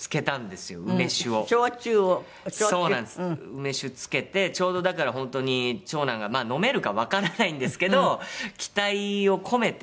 梅酒漬けてちょうどだから本当に長男がまあ飲めるかわからないんですけど期待を込めて。